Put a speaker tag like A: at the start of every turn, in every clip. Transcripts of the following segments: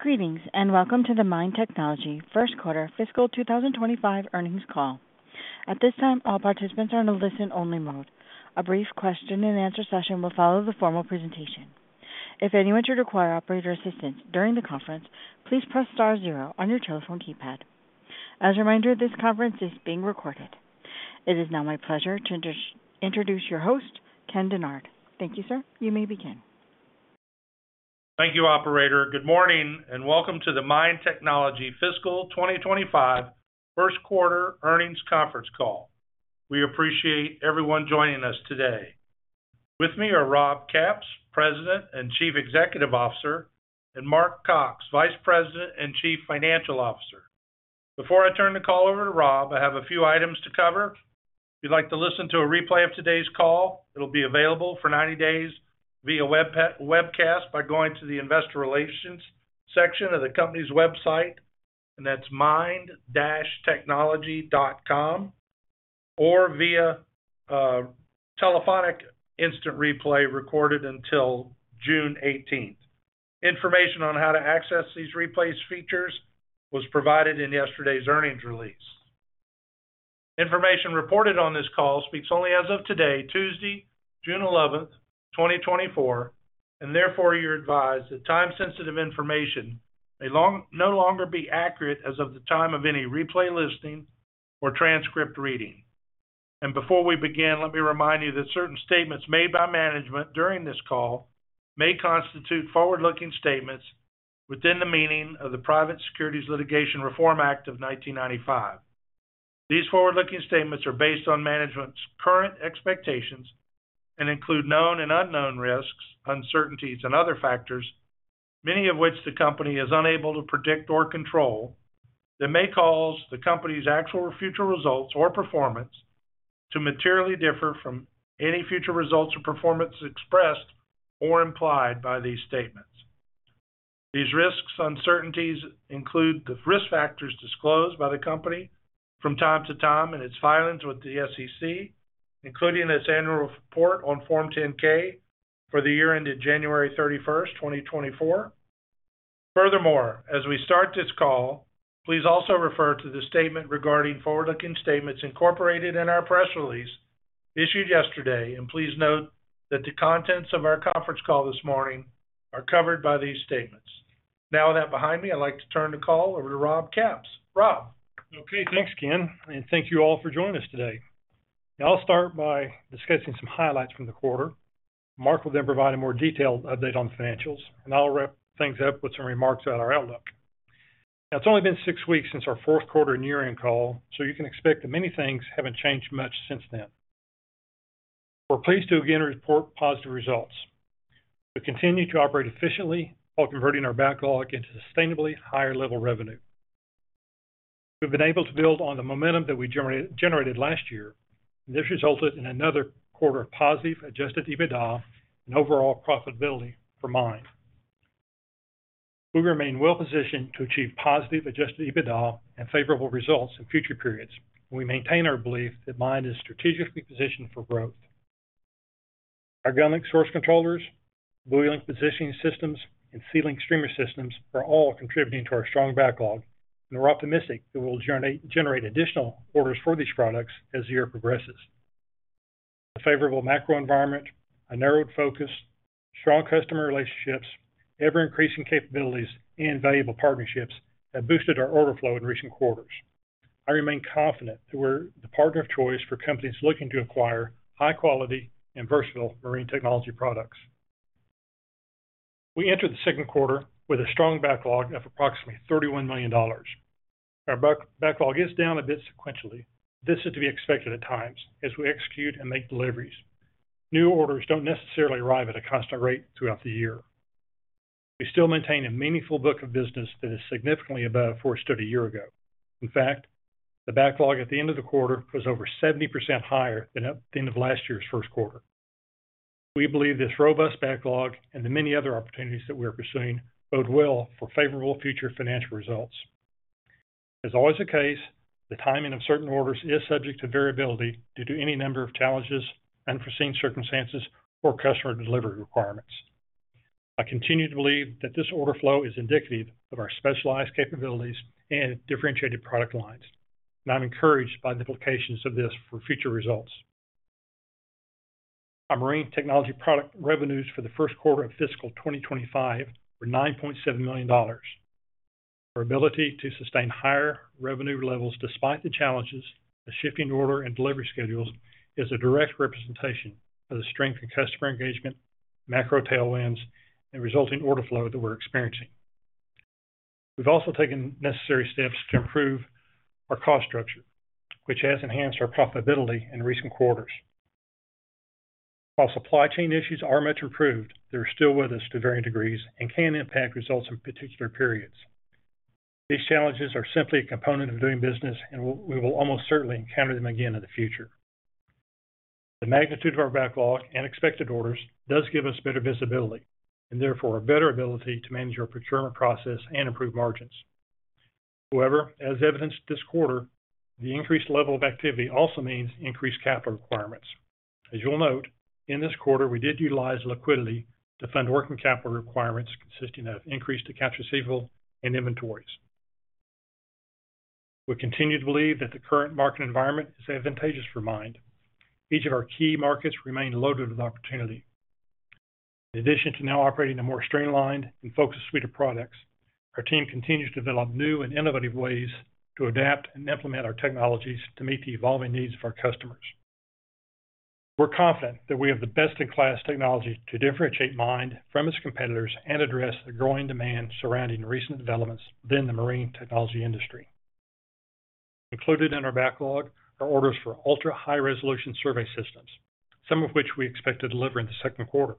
A: Greetings, and welcome to the MIND Technology first quarter fiscal 2025 earnings call. At this time, all participants are in a listen-only mode. A brief question and answer session will follow the formal presentation. If anyone should require operator assistance during the conference, please press star zero on your telephone keypad. As a reminder, this conference is being recorded. It is now my pleasure to introduce your host, Ken Dennard. Thank you, sir. You may begin.
B: Thank you, operator. Good morning, and welcome to the MIND Technology fiscal 2025 first quarter earnings conference call. We appreciate everyone joining us today. With me are Rob Capps, President and Chief Executive Officer, and Mark Cox, Vice President and Chief Financial Officer. Before I turn the call over to Rob, I have a few items to cover. If you'd like to listen to a replay of today's call, it'll be available for 90 days via webcast by going to the investor relations section of the company's website, and that's mind-technology.com, or via telephonic instant replay, recorded until June 18. Information on how to access these replays features was provided in yesterday's earnings release. Information reported on this call speaks only as of today, Tuesday, June 11, 2024, and therefore you're advised that time-sensitive information may no longer be accurate as of the time of any replay listing or transcript reading. Before we begin, let me remind you that certain statements made by management during this call may constitute forward-looking statements within the meaning of the Private Securities Litigation Reform Act of 1995. These forward-looking statements are based on management's current expectations and include known and unknown risks, uncertainties, and other factors, many of which the company is unable to predict or control, that may cause the company's actual or future results or performance to materially differ from any future results or performance expressed or implied by these statements. These risks, uncertainties, include the risk factors disclosed by the company from time to time in its filings with the SEC, including its annual report on Form 10-K for the year ended January 31st, 2024. Furthermore, as we start this call, please also refer to the statement regarding forward-looking statements incorporated in our press release issued yesterday, and please note that the contents of our conference call this morning are covered by these statements. Now, with that behind me, I'd like to turn the call over to Rob Capps. Rob?
C: Okay, thanks, Ken, and thank you all for joining us today. I'll start by discussing some highlights from the quarter. Mark will then provide a more detailed update on the financials, and I'll wrap things up with some remarks about our outlook. Now, it's only been six weeks since our fourth quarter and year-end call, so you can expect that many things haven't changed much since then. We're pleased to again report positive results. We continue to operate efficiently while converting our backlog into sustainably higher level revenue. We've been able to build on the momentum that we generated last year, and this resulted in another quarter of positive adjusted EBITDA and overall profitability for MIND. We remain well-positioned to achieve positive adjusted EBITDA and favorable results in future periods, and we maintain our belief that MIND is strategically positioned for growth. Our GunLink source controllers, BuoyLink positioning systems, and SeaLink streamer systems are all contributing to our strong backlog, and we're optimistic that we'll generate additional orders for these products as the year progresses. A favorable macro environment, a narrowed focus, strong customer relationships, ever-increasing capabilities, and valuable partnerships have boosted our order flow in recent quarters. I remain confident that we're the partner of choice for companies looking to acquire high quality and versatile marine technology products. We entered the second quarter with a strong backlog of approximately $31 million. Our backlog is down a bit sequentially. This is to be expected at times as we execute and make deliveries. New orders don't necessarily arrive at a constant rate throughout the year. We still maintain a meaningful book of business that is significantly above where it stood a year ago. In fact, the backlog at the end of the quarter was over 70% higher than at the end of last year's first quarter. We believe this robust backlog and the many other opportunities that we are pursuing bode well for favorable future financial results. As always, the case, the timing of certain orders is subject to variability due to any number of challenges, unforeseen circumstances, or customer delivery requirements. I continue to believe that this order flow is indicative of our specialized capabilities and differentiated product lines, and I'm encouraged by the implications of this for future results. Our marine technology product revenues for the first quarter of fiscal 2025 were $9.7 million. Our ability to sustain higher revenue levels despite the challenges, the shifting order and delivery schedules, is a direct representation of the strength in customer engagement, macro tailwinds, and resulting order flow that we're experiencing. We've also taken necessary steps to improve our cost structure, which has enhanced our profitability in recent quarters. While supply chain issues are much improved, they're still with us to varying degrees and can impact results in particular periods. These challenges are simply a component of doing business, and we will almost certainly encounter them again in the future. The magnitude of our backlog and expected orders does give us better visibility, and therefore a better ability to manage our procurement process and improve margins. However, as evidenced this quarter, the increased level of activity also means increased capital requirements. As you'll note, in this quarter, we did utilize liquidity to fund working capital requirements, consisting of increase to accounts receivable and inventories. We continue to believe that the current market environment is advantageous for MIND. Each of our key markets remain loaded with opportunity. In addition to now operating a more streamlined and focused suite of products, our team continues to develop new and innovative ways to adapt and implement our technologies to meet the evolving needs of our customers. We're confident that we have the best-in-class technology to differentiate MIND from its competitors and address the growing demand surrounding recent developments within the marine technology industry. Included in our backlog are orders for ultra-high-resolution survey systems, some of which we expect to deliver in the second quarter.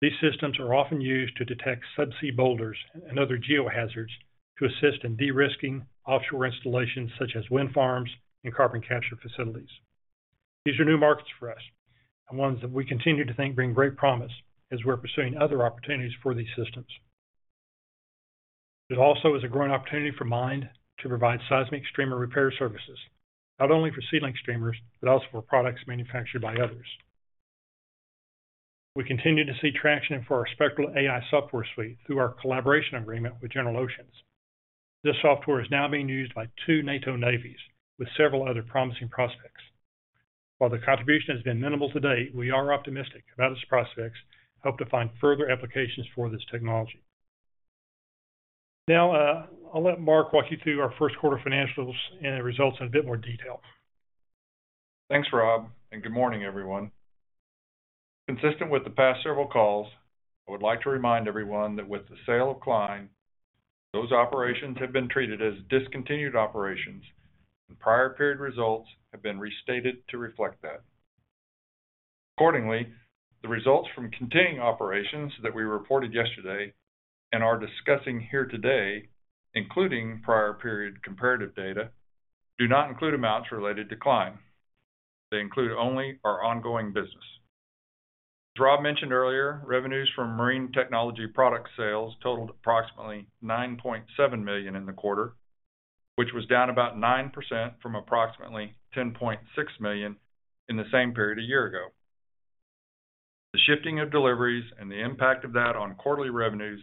C: These systems are often used to detect subsea boulders and other geo-hazards to assist in de-risking offshore installations such as wind farms and carbon capture facilities. These are new markets for us, and ones that we continue to think bring great promise as we're pursuing other opportunities for these systems. There also is a growing opportunity for MIND to provide seismic streamer repair services, not only for SeaLink streamers, but also for products manufactured by others. We continue to see traction for our Spectral AI software suite through our collaboration agreement with General Oceans. This software is now being used by two NATO navies, with several other promising prospects. While the contribution has been minimal to date, we are optimistic about its prospects. We hope to find further applications for this technology. Now, I'll let Mark walk you through our first quarter financials and the results in a bit more detail.
D: Thanks, Rob, and good morning, everyone. Consistent with the past several calls, I would like to remind everyone that with the sale of Klein, those operations have been treated as discontinued operations, and prior period results have been restated to reflect that. Accordingly, the results from continuing operations that we reported yesterday and are discussing here today, including prior period comparative data, do not include amounts related to Klein. They include only our ongoing business. As Rob mentioned earlier, revenues from marine technology product sales totaled approximately $9.7 million in the quarter, which was down about 9% from approximately $10.6 million in the same period a year ago. The shifting of deliveries and the impact of that on quarterly revenues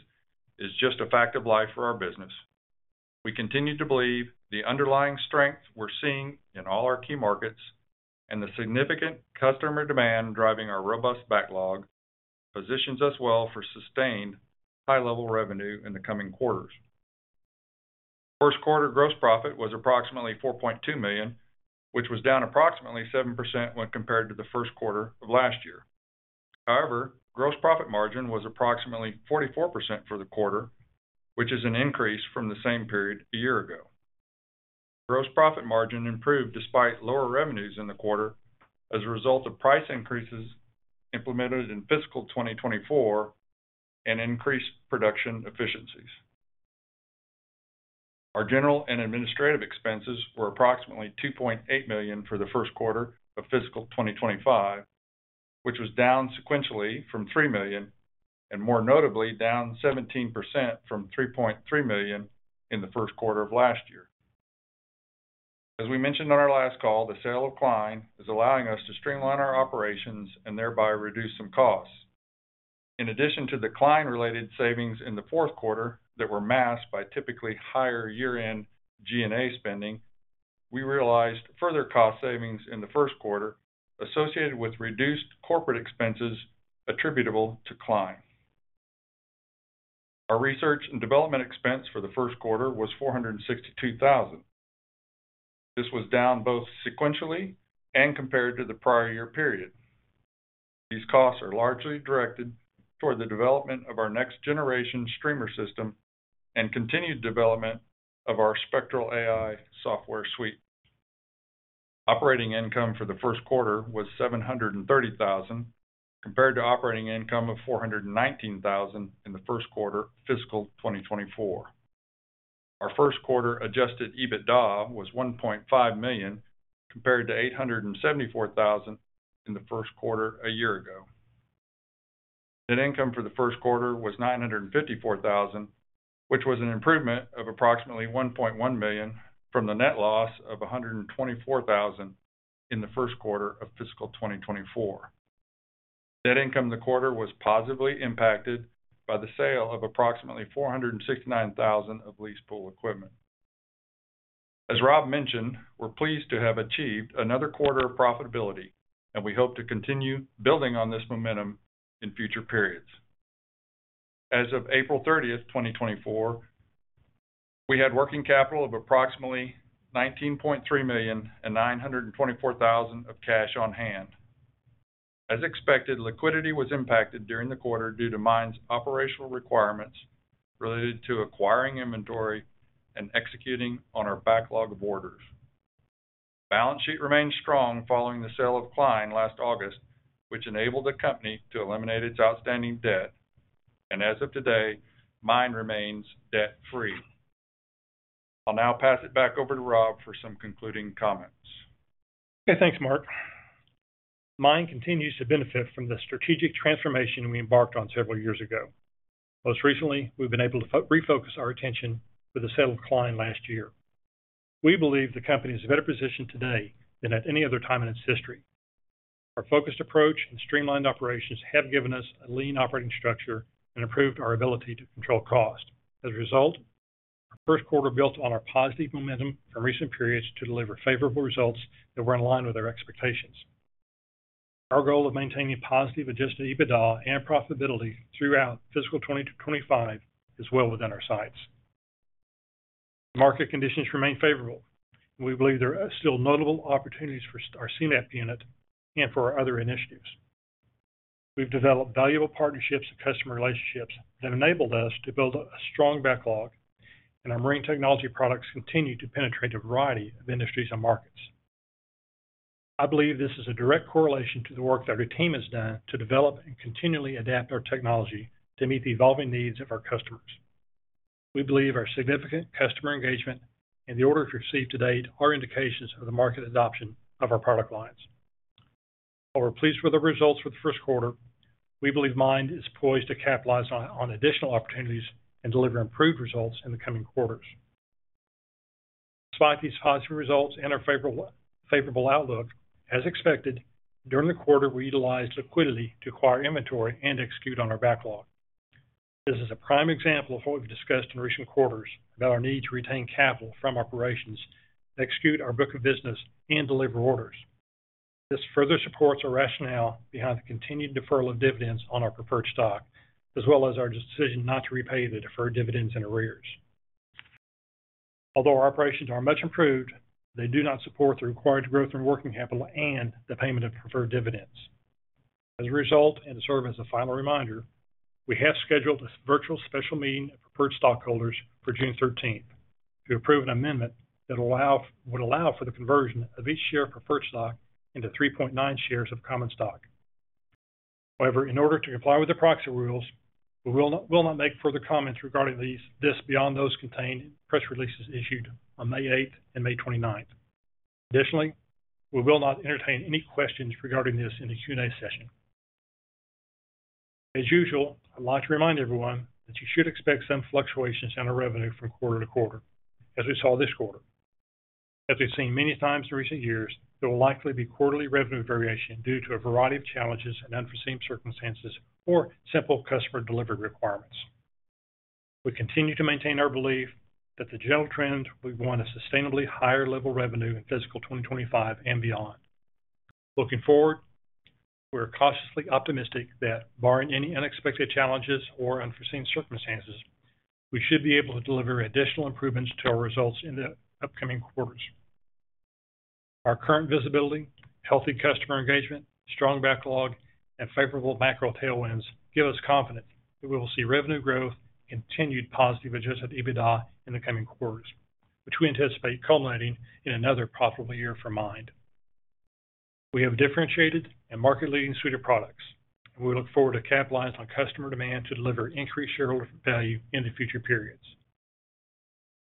D: is just a fact of life for our business. We continue to believe the underlying strength we're seeing in all our key markets and the significant customer demand driving our robust backlog positions us well for sustained high-level revenue in the coming quarters. First quarter gross profit was approximately $4.2 million, which was down approximately 7% when compared to the first quarter of last year. However, gross profit margin was approximately 44% for the quarter, which is an increase from the same period a year ago. Gross profit margin improved despite lower revenues in the quarter as a result of price increases implemented in fiscal 2024 and increased production efficiencies. Our general and administrative expenses were approximately $2.8 million for the first quarter of fiscal 2025, which was down sequentially from $3 million, and more notably, down 17% from $3.3 million in the first quarter of last year. As we mentioned on our last call, the sale of Klein is allowing us to streamline our operations and thereby reduce some costs. In addition to the Klein-related savings in the fourth quarter that were masked by typically higher year-end G&A spending, we realized further cost savings in the first quarter associated with reduced corporate expenses attributable to Klein. Our research and development expense for the first quarter was $462,000. This was down both sequentially and compared to the prior year period. These costs are largely directed toward the development of our next-generation streamer system and continued development of our Spectral AI software suite. Operating income for the first quarter was $730,000, compared to operating income of $419,000 in the first quarter of fiscal 2024. Our first quarter Adjusted EBITDA was $1.5 million, compared to $874,000 in the first quarter a year ago. Net income for the first quarter was $954,000, which was an improvement of approximately $1.1 million from the net loss of $124,000 in the first quarter of fiscal 2024. Net income in the quarter was positively impacted by the sale of approximately $469,000 of lease pool equipment. As Rob mentioned, we're pleased to have achieved another quarter of profitability, and we hope to continue building on this momentum in future periods. As of April 30, 2024, we had working capital of approximately $19.3 million and $924,000 of cash on hand. As expected, liquidity was impacted during the quarter due to MIND's operational requirements related to acquiring inventory and executing on our backlog of orders. Balance sheet remained strong following the sale of Klein last August, which enabled the company to eliminate its outstanding debt, and as of today, MIND remains debt-free. I'll now pass it back over to Rob for some concluding comments.
C: Okay, thanks, Mark. MIND continues to benefit from the strategic transformation we embarked on several years ago. Most recently, we've been able to refocus our attention with the sale of Klein last year. We believe the company is better positioned today than at any other time in its history. Our focused approach and streamlined operations have given us a lean operating structure and improved our ability to control cost. As a result, our first quarter built on our positive momentum from recent periods to deliver favorable results that were in line with our expectations. Our goal of maintaining positive adjusted EBITDA and profitability throughout fiscal 2025 is well within our sights. Market conditions remain favorable, and we believe there are still notable opportunities for our Seamap unit and for our other initiatives. We've developed valuable partnerships and customer relationships that enabled us to build a strong backlog, and our marine technology products continue to penetrate a variety of industries and markets. I believe this is a direct correlation to the work that our team has done to develop and continually adapt our technology to meet the evolving needs of our customers. We believe our significant customer engagement and the orders received to date are indications of the market adoption of our product lines. While we're pleased with the results for the first quarter, we believe MIND is poised to capitalize on additional opportunities and deliver improved results in the coming quarters. Despite these positive results and our favorable outlook, as expected, during the quarter, we utilized liquidity to acquire inventory and execute on our backlog. This is a prime example of what we've discussed in recent quarters about our need to retain capital from operations to execute our book of business and deliver orders. This further supports our rationale behind the continued deferral of dividends on our preferred stock, as well as our decision not to repay the deferred dividends in arrears. Although our operations are much improved, they do not support the required growth in working capital and the payment of preferred dividends. As a result, and to serve as a final reminder, we have scheduled a virtual special meeting of preferred stockholders for June 13th to approve an amendment that would allow for the conversion of each share of preferred stock into 3.9 shares of common stock. However, in order to comply with the proxy rules, we will not, we will not make further comments regarding these, this beyond those contained in press releases issued on May 8 and May 29. Additionally, we will not entertain any questions regarding this in the Q&A session. As usual, I'd like to remind everyone that you should expect some fluctuations in our revenue from quarter to quarter, as we saw this quarter. As we've seen many times in recent years, there will likely be quarterly revenue variation due to a variety of challenges and unforeseen circumstances or simple customer delivery requirements. We continue to maintain our belief that the general trend will go on a sustainably higher level of revenue in fiscal 2025 and beyond. Looking forward, we're cautiously optimistic that barring any unexpected challenges or unforeseen circumstances, we should be able to deliver additional improvements to our results in the upcoming quarters. Our current visibility, healthy customer engagement, strong backlog, and favorable macro tailwinds give us confidence that we will see revenue growth and continued positive adjusted EBITDA in the coming quarters, which we anticipate culminating in another profitable year for MIND. We have a differentiated and market-leading suite of products, and we look forward to capitalizing on customer demand to deliver increased shareholder value in the future periods.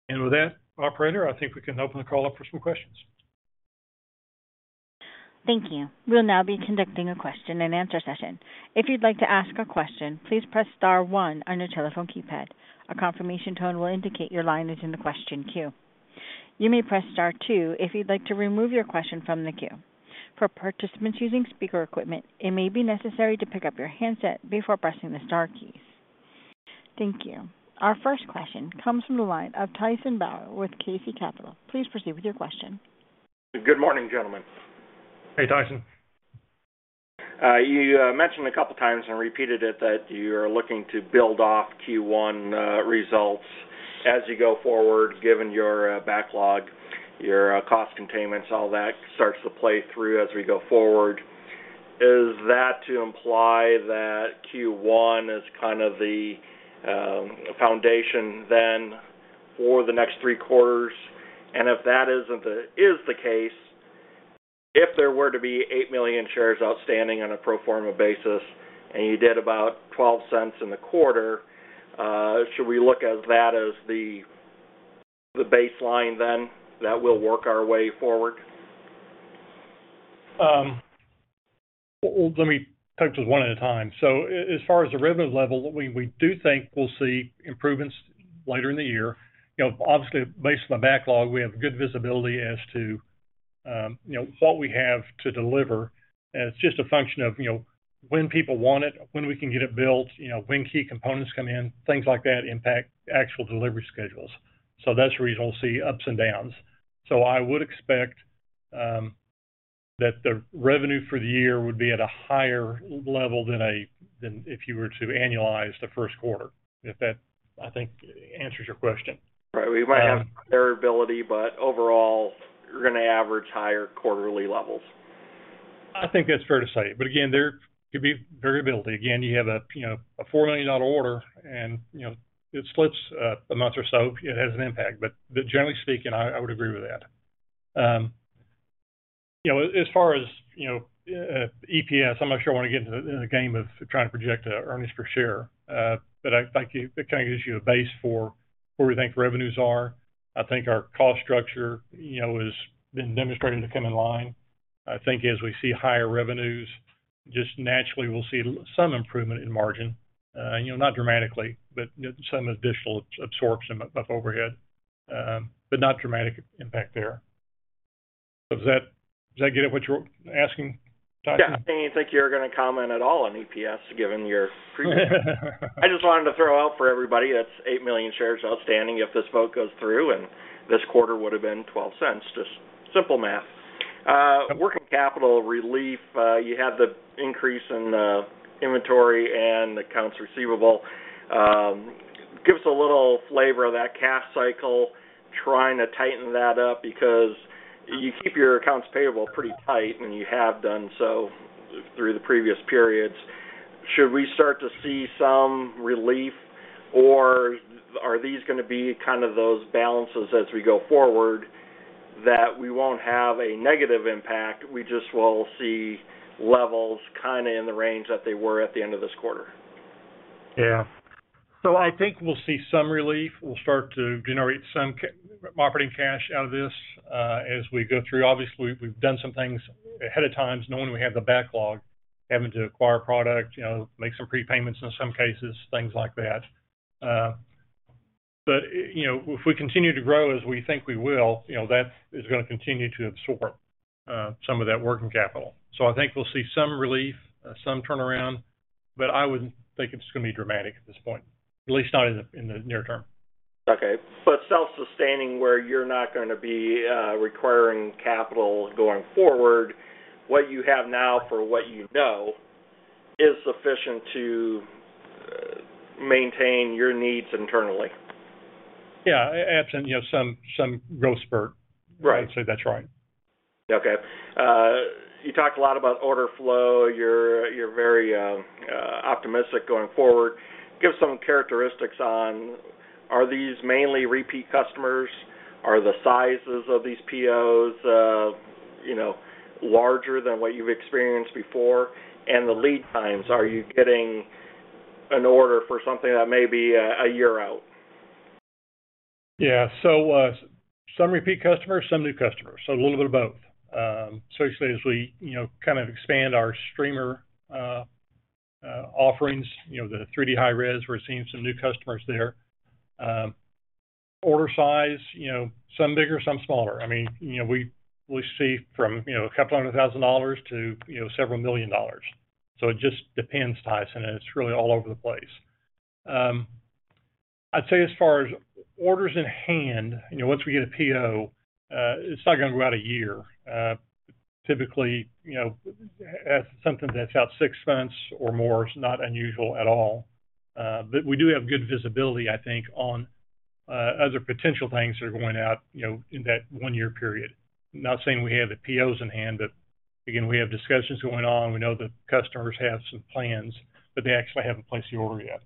C: With that, operator, I think we can open the call up for some questions.
A: Thank you. We'll now be conducting a question and answer session. If you'd like to ask a question, please press star one on your telephone keypad. A confirmation tone will indicate your line is in the question queue. You may press star two if you'd like to remove your question from the queue. For participants using speaker equipment, it may be necessary to pick up your handset before pressing the star keys. Thank you. Our first question comes from the line of Tyson Bauer with KC Capital. Please proceed with your question.
E: Good morning, gentlemen.
C: Hey, Tyson.
E: You mentioned a couple of times and repeated it, that you're looking to build off Q1 results as you go forward, given your backlog, your cost containments, all that starts to play through as we go forward. Is that to imply that Q1 is kind of the foundation then for the next three quarters? And if that isn't the case, if there were to be 8 million shares outstanding on a pro forma basis, and you did about $0.12 in the quarter, should we look at that as the baseline, then that we'll work our way forward?
C: Well, let me take this one at a time. So as far as the revenue level, we do think we'll see improvements later in the year. You know, obviously, based on the backlog, we have good visibility as to, you know, what we have to deliver, and it's just a function of, you know, when people want it, when we can get it built, you know, when key components come in, things like that impact actual delivery schedules. So that's the reason we'll see ups and downs. So I would expect that the revenue for the year would be at a higher level than if you were to annualize the first quarter, if that, I think, answers your question.
E: Right. We might have variability, but overall, you're gonna average higher quarterly levels.
C: I think that's fair to say. But again, there could be variability. Again, you know, a $4 million order and, you know, it slips a month or so, it has an impact. But generally speaking, I would agree with that. You know, as far as, you know, EPS, I'm not sure I want to get into the game of trying to project earnings per share, but I think it kind of gives you a base for where we think revenues are... I think our cost structure, you know, has been demonstrated to come in line. I think as we see higher revenues, just naturally we'll see some improvement in margin. You know, not dramatically, but some additional absorption of overhead, but not dramatic impact there. Does that get at what you were asking, Tyson?
E: Yeah. I didn't think you were gonna comment at all on EPS, given your preview. I just wanted to throw out for everybody, that's 8 million shares outstanding if this vote goes through, and this quarter would have been $0.12. Just simple math. Working capital relief, you had the increase in inventory and accounts receivable. Give us a little flavor of that cash cycle, trying to tighten that up because you keep your accounts payable pretty tight, and you have done so through the previous periods. Should we start to see some relief, or are these gonna be kind of those balances as we go forward, that we won't have a negative impact, we just will see levels kind of in the range that they were at the end of this quarter?
C: Yeah. So I think we'll see some relief. We'll start to generate some operating cash out of this, as we go through. Obviously, we've done some things ahead of time, knowing we have the backlog, having to acquire product, you know, make some prepayments in some cases, things like that. But, you know, if we continue to grow as we think we will, you know, that is gonna continue to absorb some of that working capital. So I think we'll see some relief, some turnaround, but I wouldn't think it's gonna be dramatic at this point, at least not in the near term.
E: Okay. But self-sustaining, where you're not gonna be requiring capital going forward, what you have now for what you know is sufficient to maintain your needs internally?
C: Yeah, absent, you know, some growth spurt.
E: Right.
C: I'd say that's right.
E: Okay. You talked a lot about order flow. You're very optimistic going forward. Give some characteristics on, are these mainly repeat customers? Are the sizes of these POs, you know, larger than what you've experienced before? And the lead times, are you getting an order for something that may be a year out?
C: Yeah. So, some repeat customers, some new customers, so a little bit of both. So as we, you know, kind of expand our streamer offerings, you know, the 3D high-res, we're seeing some new customers there. Order size, you know, some bigger, some smaller. I mean, you know, we, we see from, you know, $200,000 to, you know, $several million. So it just depends, Tyson, and it's really all over the place. I'd say as far as orders in hand, you know, once we get a PO, it's not gonna go out a year. Typically, you know, as something that's out six months or more, is not unusual at all. But we do have good visibility, I think, on other potential things that are going out, you know, in that one-year period. Not saying we have the POs in hand, but again, we have discussions going on. We know the customers have some plans, but they actually haven't placed the order yet.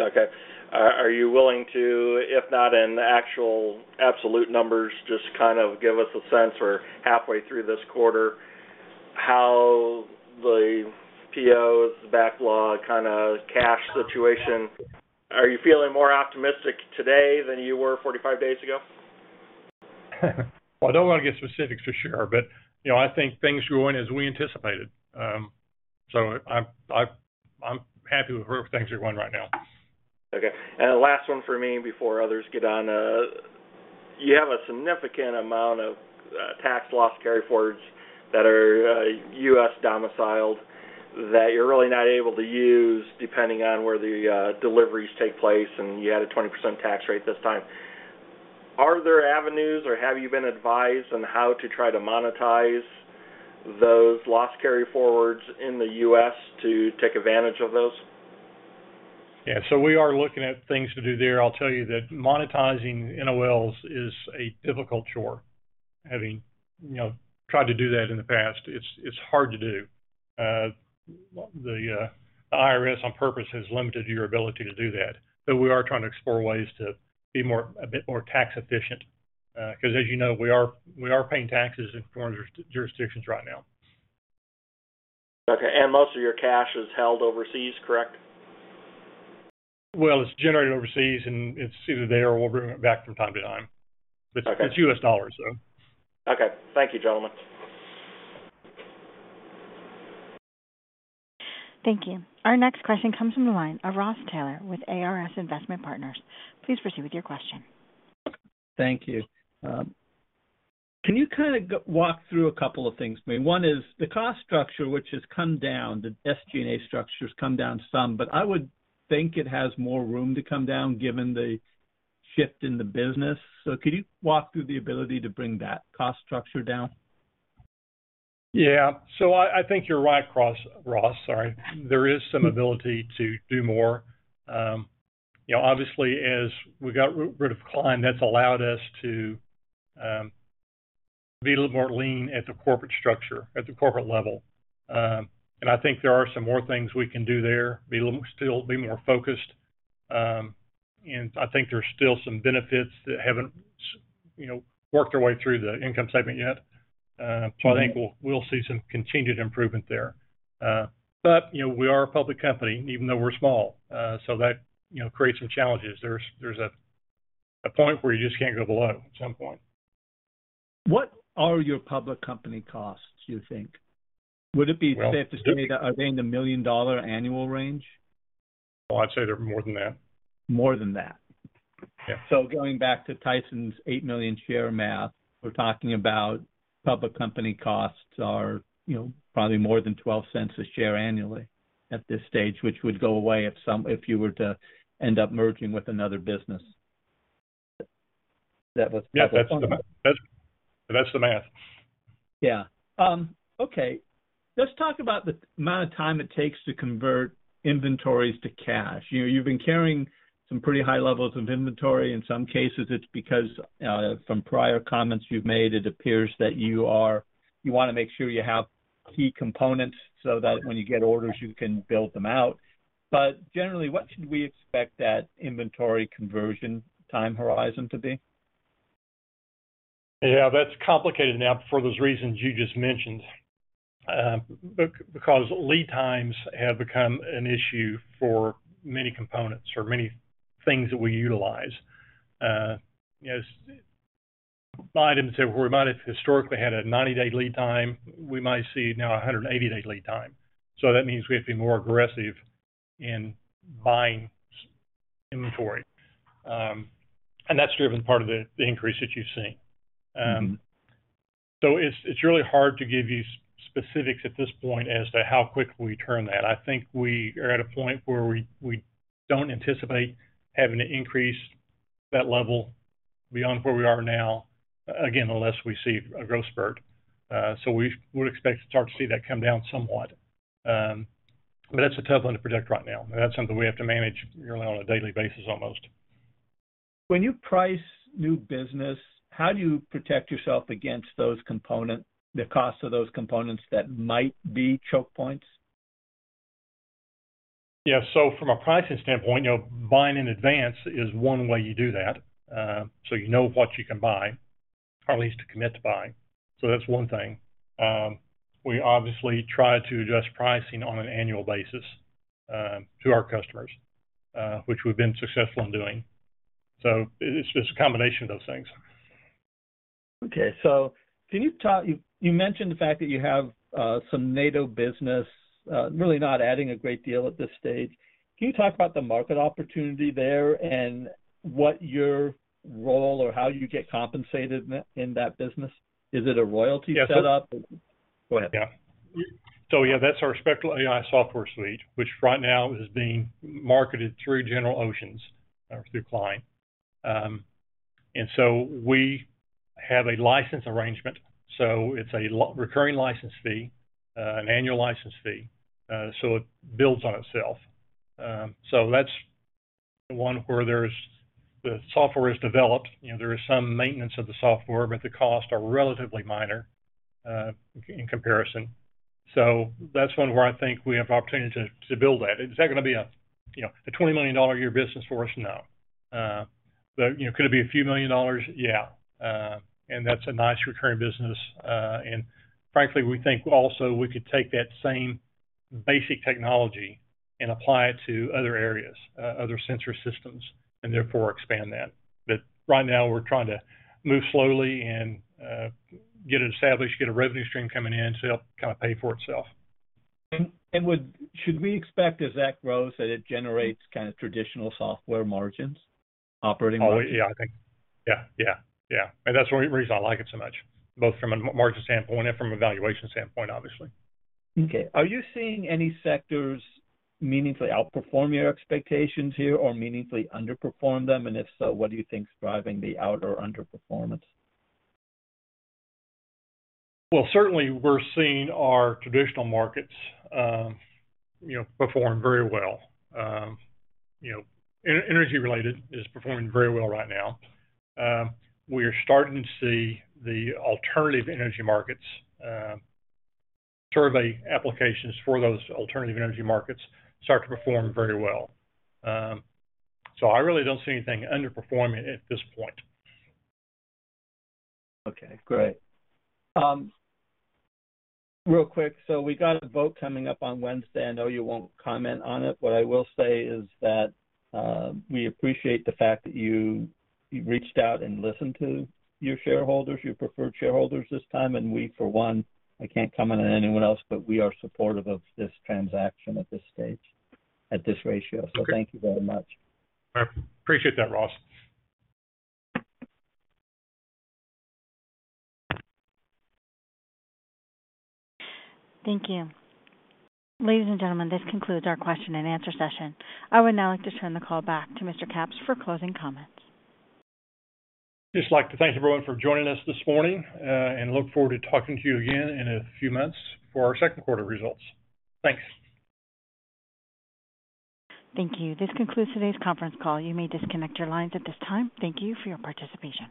E: Okay. Are you willing to, if not in the actual absolute numbers, just kind of give us a sense for halfway through this quarter, how the POs, backlog, kind of cash situation? Are you feeling more optimistic today than you were 45 days ago?
C: Well, I don't want to get specifics, for sure, but, you know, I think things are going as we anticipated. So I'm happy with where things are going right now.
E: Okay. And the last one for me before others get on. You have a significant amount of tax loss carryforwards that are U.S. domiciled, that you're really not able to use depending on where the deliveries take place, and you had a 20% tax rate this time. Are there avenues, or have you been advised on how to try to monetize those loss carryforwards in the U.S. to take advantage of those?
C: Yeah, so we are looking at things to do there. I'll tell you that monetizing NOLs is a difficult chore. Having, you know, tried to do that in the past, it's hard to do. The IRS, on purpose, has limited your ability to do that, but we are trying to explore ways to be more—a bit more tax efficient. Because, as you know, we are paying taxes in foreign jurisdictions right now.
E: Okay, and most of your cash is held overseas, correct?
C: Well, it's generated overseas, and it's either there or we'll bring it back from time to time.
E: Okay.
C: It's U.S. dollars, though.
E: Okay. Thank you, gentlemen.
A: Thank you. Our next question comes from the line of Ross Taylor with ARS Investment Partners. Please proceed with your question.
F: Thank you. Can you kind of walk through a couple of things for me? One is the cost structure, which has come down, the SG&A structure has come down some, but I would think it has more room to come down given the shift in the business. So could you walk through the ability to bring that cost structure down?
C: Yeah. So I think you're right, Ross, sorry. There is some ability to do more. You know, obviously, as we got rid of Klein, that's allowed us to be a little more lean at the corporate structure, at the corporate level. And I think there are some more things we can do there. Still be more focused, and I think there are still some benefits that haven't you know, worked our way through the income statement yet. So I think we'll see some continued improvement there. But, you know, we are a public company, even though we're small, so that, you know, creates some challenges. There's a point where you just can't go below at some point.
F: What are your public company costs, do you think? Would it be safe to say that they are in the $1 million annual range?
C: Well, I'd say they're more than that.
F: More than that?
C: Yeah.
F: Going back to Tyson's 8 million share math, we're talking about public company costs are, you know, probably more than $0.12 a share annually at this stage, which would go away if you were to end up merging with another business. That was-
C: Yeah, that's the math. That's, that's the math.
F: Yeah. Okay, let's talk about the amount of time it takes to convert inventories to cash. You've been carrying some pretty high levels of inventory. In some cases, it's because from prior comments you've made, it appears that you wanna make sure you have key components so that when you get orders, you can build them out. But generally, what should we expect that inventory conversion time horizon to be?
C: Yeah, that's complicated now, for those reasons you just mentioned. Because lead times have become an issue for many components or many things that we utilize. As items that were historically had a 90-day lead time, we might see now a 180-day lead time. So that means we have to be more aggressive in buying inventory. And that's driven part of the, the increase that you've seen.
F: Mm-hmm.
C: So it's really hard to give you specifics at this point as to how quickly we turn that. I think we are at a point where we don't anticipate having to increase that level beyond where we are now, again, unless we see a growth spurt. We would expect to start to see that come down somewhat. That's a tough one to predict right now. That's something we have to manage really on a daily basis, almost.
F: When you price new business, how do you protect yourself against those components, the cost of those components that might be choke points?
C: Yeah, so from a pricing standpoint, you know, buying in advance is one way you do that. So you know what you can buy, or at least to commit to buying. So that's one thing. We obviously try to adjust pricing on an annual basis to our customers, which we've been successful in doing. So it, it's just a combination of those things.
F: Okay, so can you talk. You mentioned the fact that you have some NATO business, really not adding a great deal at this stage. Can you talk about the market opportunity there and what your role or how you get compensated in that business? Is it a royalty set up?
C: Yeah.
F: Go ahead.
C: Yeah. So, yeah, that's our Spectral AI software suite, which right now is being marketed through General Oceans through Klein. And so we have a license arrangement, so it's a recurring license fee, an annual license fee. So it builds on itself. So that's one where the software is developed, you know, there is some maintenance of the software, but the costs are relatively minor in comparison. So that's one where I think we have opportunity to build that. Is that gonna be a, you know, a $20 million-a-year business for us? No. But, you know, could it be a few million dollars? Yeah. And that's a nice recurring business. And frankly, we think also we could take that same basic technology and apply it to other areas, other sensor systems, and therefore expand that. But right now we're trying to move slowly and, get it established, get a revenue stream coming in, so it'll kind of pay for itself.
F: Should we expect as that grows, that it generates kind of traditional software margins, operating margins?
C: Oh, yeah, I think. Yeah. Yeah, yeah. And that's one reason I like it so much, both from a margin standpoint and from a valuation standpoint, obviously.
F: Okay. Are you seeing any sectors meaningfully outperform your expectations here or meaningfully underperform them? And if so, what do you think is driving the out or underperformance?
C: Well, certainly we're seeing our traditional markets, you know, perform very well. You know, energy-related is performing very well right now. We are starting to see the alternative energy markets, survey applications for those alternative energy markets start to perform very well. So I really don't see anything underperforming at this point.
F: Okay, great. Real quick, so we got a vote coming up on Wednesday. I know you won't comment on it. What I will say is that, we appreciate the fact that you reached out and listened to your shareholders, your preferred shareholders this time, and we, for one, I can't comment on anyone else, but we are supportive of this transaction at this stage, at this ratio.
C: Okay.
F: Thank you very much.
C: I appreciate that, Ross.
A: Thank you. Ladies and gentlemen, this concludes our question and answer session. I would now like to turn the call back to Mr. Capps for closing comments.
C: Just like to thank everyone for joining us this morning, and look forward to talking to you again in a few months for our second quarter results. Thanks.
A: Thank you. This concludes today's conference call. You may disconnect your lines at this time. Thank you for your participation.